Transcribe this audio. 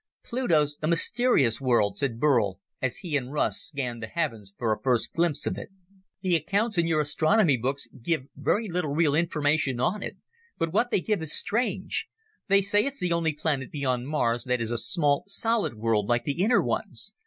"Pluto's a mysterious world," said Burl as he and Russ scanned the heavens for a first glimpse of it. "The accounts in your astronomy books give very little real information on it but what they give is strange. They say it's the only planet beyond Mars that is a small solid world like the inner ones.